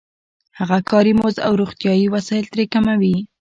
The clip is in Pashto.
هغه کاري مزد او روغتیايي وسایل ترې کموي